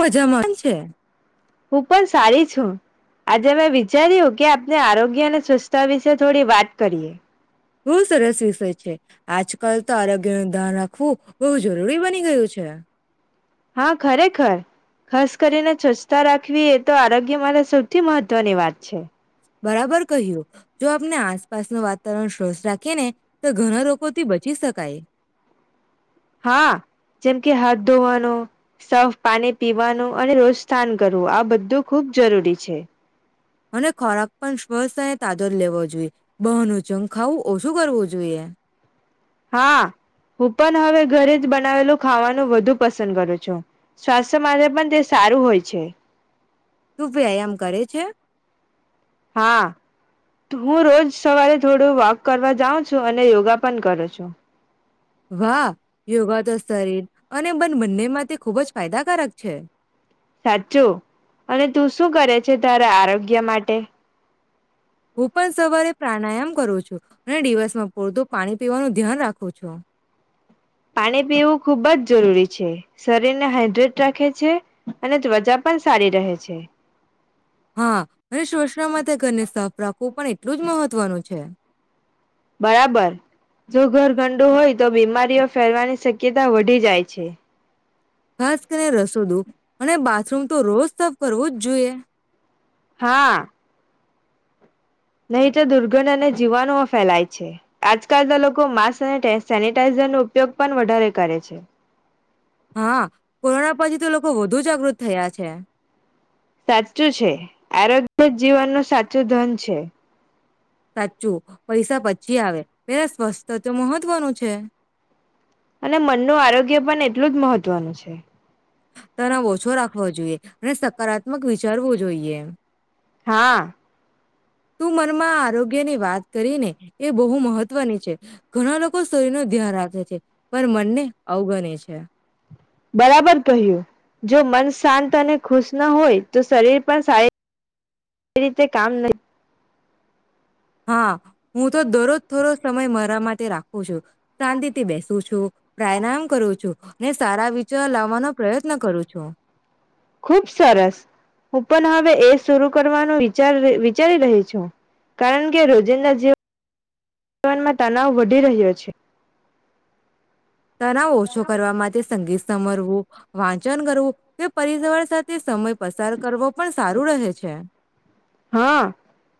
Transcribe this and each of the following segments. મજામાં છે હું પણ સારી છું. આજે મેં વિચાર્યું કે આપને આરોગ્ય અને સ્વચથતા વિશે થોડી વાત કરીએ. બઉ સરસ વિષય છે આજકાલ તો આરોગ્ય નો ધ્યાન રાખવું બહુ જરૂરી બની ગયું છે. ગયા હા ખરેખર ખાસ કરીને સ્વચ્છતા રાખવી એ તો આરોગ્ય મારે સૌથી મહત્વની વાત છે. બરાબર કહ્યું જો આપને આસપાસનું વાતાવરણ સ્વચ્છ રાખીએ ને તો ઘણા લોકોથી બચી શકાય. હા જેમ કે હાથ ધોવાનું સાફ પાણી પીવાનું અને રોજ સ્નાન કરવું આ બધું ખુબ જરૂરી છે. અને ખોરાક પણ સ્પષ્ટ અને તાજો જ લેવો જોઈએ બહાનું જંગ ખાવું ઓછું કરવું જોઈએ. હા હું પણ હવે ઘરે જ બનાવેલું ખાવાનું વધુ પસંદ કરું છું. સ્વાસ્થ્ય માટે પણ તે સારું હોય છે. તું વ્યાયામ કરે છે. હા હું રોજ સવારે થોડું વોક કરવા જાઉં છું, અને યોગા પણ કરું છું. વા યોગા [unintelligible] અને બન બંનેમાં તે ખૂબ જ ફાયદાકારક છે. સાચું અને તું શું કરે છે, તારા આરોગ્ય માટે હું પણ સવારે પ્રાણાયામ ક પાણી પીવું ખૂબ જ જરૂરી છે, શરીરને હાઈડ્રેટ રાખે છે, અને ત્વચા પણ સારી રહે છે. હા અને શવષમા તે ઘરને સાફ રાખવું પણ એટલું જ મહત્વનું છે. બરાબર જો ઘર ગંડુ હોય તો બીમારીઓ ફેલવાની શક્યતા વધી જાય છે. ખાસ કરીને રસોદુ અને બાથરૂમ તો રોજ સફ કરવું જ જોઈએ. હા નહી તો દુર્ગંધ અને જીવાણુઓ ફેલાય છે, આજકાલના લોકો માસ્ક અને [unintelligible] સેનટાઈઝર નો ઉપયોગ પણ વઢારે કરે છે. હા કોરોના પછી તો લોકો વધુ જાગૃત થયા છે. સાચું છે, આરોગ્ય જીવનનું સાચું ધન છે. સાચું પૈસા પછી આવે પેલા સ્વસ્થ તો મહત્વનું છે. અને મનનું આરોગ્ય પણ એટલું જ મહત્વનું છે. તને ઓછો રાખવો જોઈએ. અને સકારાત્મક વિચારવુ જોઈએ. હા તું મનમાં આરોગ્યની વાત કરીને એ બહુ મહત્વની છે, ઘણા લોકો શરીર [unintelligible] રાખે છે. પણ મનને અવગણે છે. અચ્છા. બરાબર કહ્યું જો મન શાંત અને ખુશ ન હોય તો શરીર પણ સારી રીતે કામ નહી હા. હું તો દરરોજ થોરોજ સમય મારા માટે રાખુ છું. શાંતિ થી બેસું છું, પ્રયનામ કરું છું ને સારા વિચાર લાવવાનો પ્રયત્ન કરું છું. ખુબ સરસ હું પણ હવે એ શરૂ કરવાનું વિચાર વિચારી રહી છું કારણ કે રોજિંદા જ જવનમાં તનાવ વધી રહ્યો છે. તનાવ ઓછો કરવા માટે [unintelligible] સમરવું વાંચન કરવું કે પરિસવાર સાથે સમય પસાર કરવો પણ સારું રહે છે હા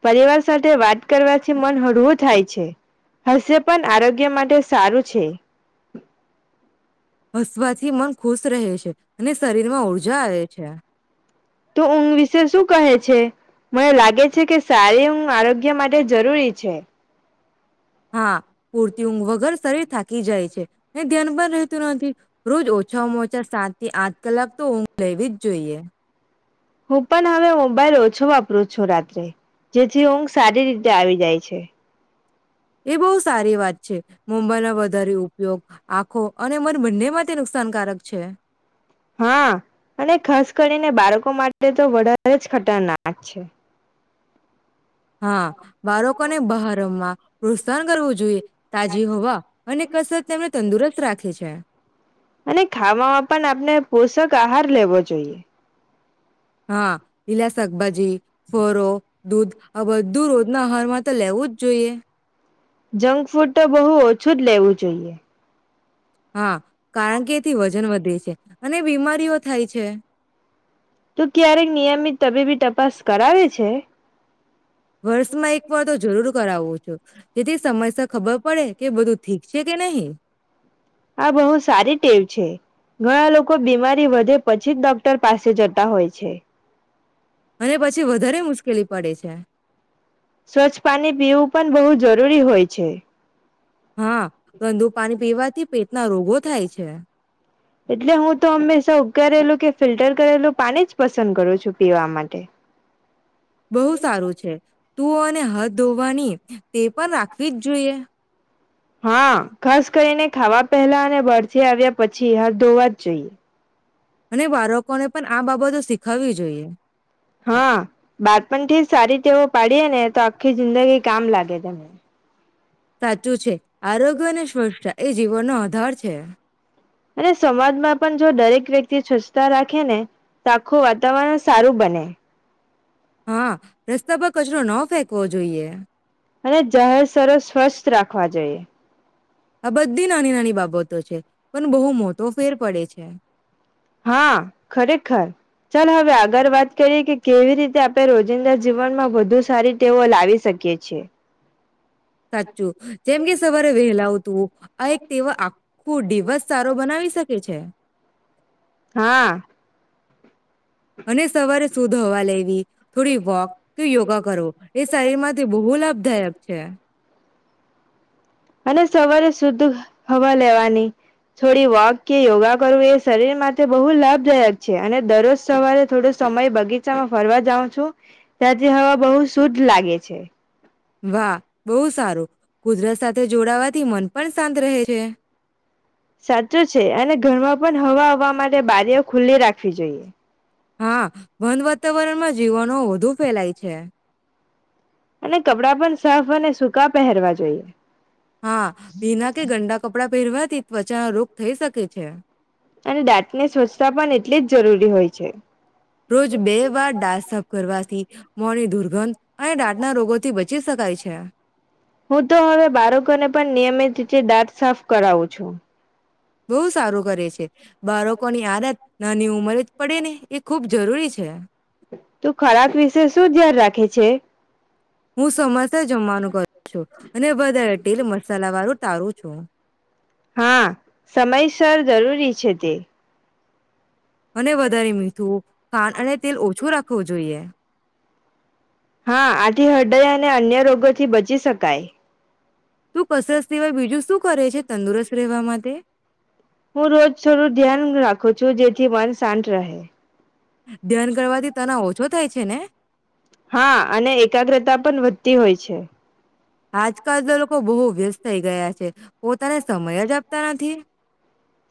પરિવાર સાથે વાત કરવાથી મન હળવું થાય છે, હાસ્ય પણ આરોગ્ય માટે સારું છે. હસવાથી મન ખુશ રહે છે, અને શરીર માં ઊર્જા [unintelligible] છે. તું ઊંઘ વિશે શું કહે છે, મને લાગે છે કે સારી ઊંઘ આરોગ્ય માટે જરૂરી છે. હા પૂરતી ઊંઘ વગર શરીર થાકી જાય છે, [unintelligible] ધ્યાન પણ રહેતું નથી રોજ ઓછામાં ઓછા સાત થી આઠ કલાક તો ઊંઘ લેવી જ જોઈએ. હું પણ હવે મોબાઈલ ઓછો વાપરું છું, રાત્રે જેથી ઊંઘ સારી રીતે આવી જાય છે. એ બહુ સારી વાત છે, [unintelligible] વધારે ઉપયોગ આખો અને [unintelligible] બંને માટે નુકસાનકારક છે. હા અને ખાસ કરીને બાળકો માટે તો વધારે જ ખતરનાક છે. હા બાળકોને બહાર રમાં પ્રોત્સાહન કરવું જોઈએ તાજી હોવા અને કસરત તેમને તંદુરસ્ત રાખે છે. અને ખાવામાં પણ આપણે પોષક આહાર લેવો જોઈએ. હા લીલા શાકભાજી ફરો દૂધ આ બધું રોજના આહારમાં તો લેવું જ જોઈએ. જંક ફૂડ તો બહુ ઓછું જ લેવું જોઈએ. હા. કારણ કે એથી વજન વધ અને બીમારીઓ થાય છે. તો ક્યારે નિયમિત તબીબી તપાસ કરાવે છે. વર્ષમાં એક વાર તો જરૂરુ કરાવું છુ જેથી સમસ્યા ખબર પડે કે બધું ઠીક છે કે નહી. આ બહુ સારી ટેવ છે ઘણા લોકો બીમારી વધે પછી જ ડોક્ટર પાસે જતા હોય છે. અને પછી વધારે મુશ્કેલી પડે છે. સ્વચ્છ પાણી પીવું પણ બહુ જરૂરી હોય છે. હા, ગંદુ પાણી પીવાથી પેટના રોગો થાય છે. એટલે હું તો હંમેશા ઉકારેલું કે ફિલ્ટર કરેલું પાની જ પસંદ કરું છું, પીવા માટે. બહુ સારું છે. મોં અને હાથ ધોવાની ટેવ પન રાખવી જ જોઈએ. હા, ખાસ કરીને ખાવા પહેલા અને બારથી આવ્યા પછી હાથ ધોવા જ જોઈએ. અને બારકોને પણ આ બાબતો શીખવવી જોઈએ. હા, બાળપણથી જ સારી તેવો પાડીએેને, તો આખી જિંદગી કામ લાગે છે. સાચું છે. આરોગ્ય અને સ્વચ્છતા એ જીવનનો આધાર છે. અને સમાજમાં પણ જો દરેક વ્યક્તિ સ્વચ્છતા રાખે ને તો આખું વાતાવરણ સારું બને. હા રસ્તા પર કચરો ન ફેંકવો જોઈએ. અને જાહેર સરો સ્વસ્થ રાખવા જોઈએ. આ બધી નાની નાની બાબતો છે. પણ બહુ મોતો ફેર પડે છે. હા ખરેખર ચાલ હવે આગળ વાત કરીએ કે કેવી રીતે આપણે રોજિંદા જીવનમાં વધુ સારી ટેવો લાવી શકીએ છીએ. સાચું જેમ કે સવારે વહેલા ઉતવું આ એક તેવ આખું ડી વસ સારો બનાવી શકે છે. હા. અને સવારે શુદ્ધ હવા લેવી થોડી વોક કે યોગા કરવો એ શરીર માંથી બહુ લાભદાયક છે. અને સવારે શુદ્ધ હવા લેવાની થોડી વોક કે યોગા કરવું એ શરીર માટે બહુ લાભદાયક છે અને દરરોજ સવારે થોડો સમય બગીચામાં ફરવા જાઉં છું ત્યાંથી હવા બહુ શુદ્ધ લાગે છે. વાહ બહુ સારું કુદરત સાથે જોડાવાથી મન પણ શાંત રહે છે. સાચું છે અને ઘરમાં પણ હવા હવા માટે બારીઓ ખુલ્લી રાખવી જોઈએ. હા બંધ વાતાવરણમાં જીવાનો વધુ ફેલાય છે. અને કપડા પણ સાફ અને સૂકા પહેરવા જોઈએ. હા, ભીના કે ગંડા કપડાં પહેરવાથી ત્વચાના રોગ થઈ શકે છે. અને દાંતને સ્વચ્છતા પણ એટલી જ જરૂરી હોય છે. રોજ બે વાર [unintelligible] કરવાથી મોને દુર્ગંધ અને દાંત ના રોગોથી બચ ચી શકાય છે. હું તો હવે બારકોને પણ નિયમિત રીતે દાંત સાફ કરાવું છું. બહુ સારું કરે છે બાળકોની આદત નાની ઉંમરે જ પડે ને એ ખૂબ જરૂરી છે. તુ ખરાબ વિશે શું ધ્યાન રાખે છે. હું સમયસર જમવાનું કરું છું. અને વધારે ટેલ મસાલા વાળું ટાળું છું. હા, સમયસર જરૂરી છે તે. અને વધારે મીઠું [unintelligible] અને તેલ ઓછું રાખ વું જોઈએ. હા, આથી હૃદય અને અન્ય રોગોથી બચી શકાય. તું કસરત સિવાય બીજું શું કરે છે તંદુરસ્ત રહેવા માટે. હું રોજ થોડું ધ્યાન રાખું છું જેથી મન શાંત રહે. ધ્યાન કરવાથી તના ઓછ છો થાય છે ને. હા અને એકાગ્રતા પણ વધતી હોય છે. આજકાલ તો લોકો બહુ વ્યસ્ત થઈ ગયા છે પોતાને સમય જ આપતા નથી.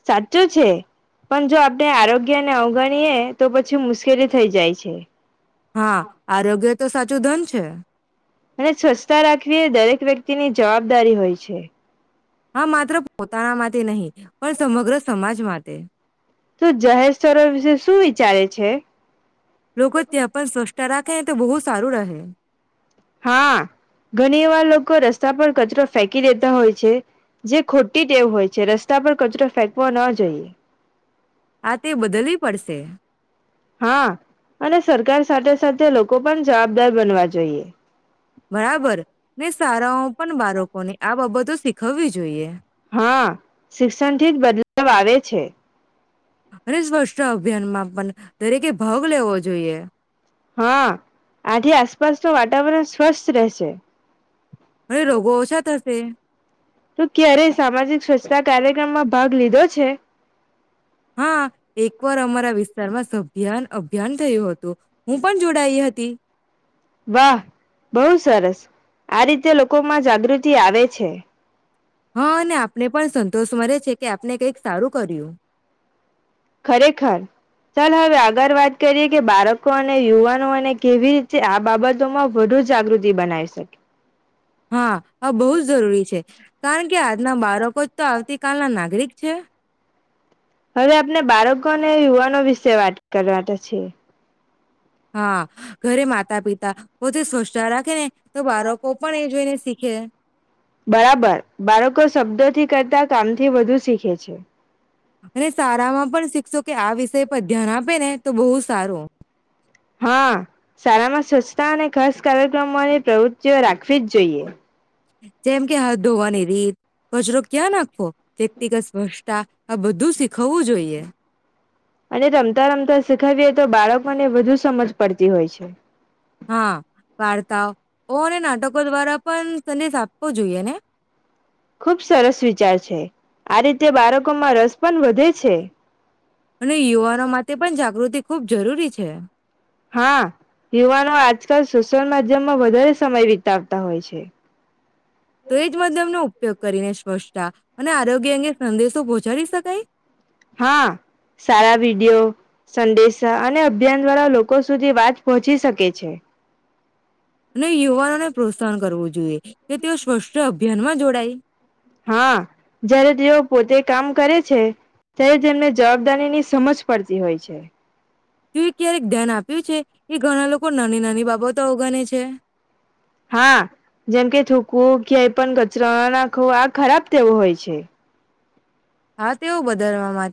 સાચું છે પણ જો આપણે આરોગ્યને અવગણીએે તો પછી મુશ્કેલી થઈ જાય છે. હા, આરોગ્ય તો સાચ સાચું ધન છે. અને સ્વચ્છતા રાખવી એ દરેક વ્યક્તિની જવાબદારી હોય છે. હા, માત્ર પોતાના માટ ટે નહીં, પણ સમગ્ર સમાજ માટે. તું જાહેર સ્થરો વિશે શું વિચારે છે. લોકો ત્યાં પણ સ્વ ચ્છતા રાખે ને તો બહુ જ સારું રહે. હા, ઘણી વાર લોકો રસ્તા પર કચરો ફેંકી દેતા હોય છે, જે ખોટ્ટી ટેવ હોય છે, રસ્તા પર કચરો ફેંકવો ન જોઈએ. આ તેવ બદલવી પડશે. હા, અને સરકાર સાથે-સાથે લોકો પણ જવાબદાર બનવા જોઈએ. બરાબર, ને સારાઓ પણ બાળકો ને આ બાબતો શીખવવી જોઈએ. હા, શિક્ષણથી જ બદલાવ આવે છે. અને સ્વચ્છતા અભિયાનમાં પણ દરેકે ભાગ લેવો જોઈએ. હા, આથી આસપાસ નું વાતાવરણ સ્વસ્થ રહેશે. અને રોગો ઓછા થશે [unintelligible] તો ક્યારે સામાજિક સ્વચ્છતા કાર્યક્રમમાં ભાગ લીધો છે? હા, એકવાર અમારા વિસ્તારમાં સભિયાન અભિયાન થયું હતું. હું પણ જોડાઈ હતી. વાહ, બહુ સરસ આ રીતે લોકોમાં જાગૃતિ આવે છે. તો સ્મરે છે કે આપણે કઈક સારું કર્યું. ખરેખર, ચાલ હવે આગળ વાત કરીએ કે બાળકો અને યુવાનો ને કેવી રીતે આ બાબતોમાં વધુ જાગૃતિ બનાવી શકે. હા, આ બહુ જ જરૂરી છે. કારણ કે આજના બાળકો જ તો આવતી કાલના નાગરિક છે. હવે આપણે બાળકોને યુવાનો વિશે વાત કરવાતા છે. હા, ઘરે માતા પિતા પોતે સ્વચ્છતા રાખે ને તો બાળકો પણ એ જોઈને શીખે. બરાબર બાળકો શબ્દોથી કરતા કામથી વધુ શીખે છે. અને શાળામાં પણ શિક્ષકો આ વિષય પર ધ્યાન આપે ને તો બહુ સારો હા શાળામાં સ્વચ્છતા અને ખાસ કાર્યક્રમોની પ્રવૃતિઓ રાખવી જ જોઈએ. જેમ કે હાથ ધોવાની એ કચરો ક્યાં નાખવો? પ્રેક્ટિકલ સ્વછતા, આ બધું શીખાવવું જોઈએ. અને રમતા રમતા શીખાવીએ, તો બાળકોને વધુ સમજ પડતી હોય છે. હા, વાર્તાઓ અને નાટકો દ્વારા પણ સંદેશ આપવો જોઈએ ને? ખુબ સરસ વિચાર છે. આ રીતે બાળકોમાં રસ પણ વધે છે. અને યુવાનો માટે તે પણ જાગૃતિ ખૂબ જરૂરી છે. હા, યુવાનો આજકાલ સોશિયલ માધ્યમમાં વધારે સમય વિતાવતા હોય છે. તો એજ માધ્યમનો ઉપયોગ કરીને સ્વચ્છતા અને આરોગ્ય અંગે સંદેશો પહોચાડી શકાય? હા, સારા વિડીયો, સંદેશો અને અભિયાન દ્વારા લોકો સુધી વાત પહોંચી શકે છે. અને યુવાનોને પ્રોત્સાહન કરવું જોઈએ, કે તેઓ સ્વચ્છતા અભિયાનમાં જોડાય. હા, જયારે તેઓ પોતે કામ કરે છે, ત્યારે તેમને જવાબદારી ની સમજ પડતી હોય છે. એ છે, એ ઘણા લોકો નાની નાની બાબતો અવગણે છે. હા, જેમકે થુક્વુ, ક્યાય પણ કચરો નાખવો, આ ખરાબ ટેવ હોય છે. હા, તેવું બદલવા માત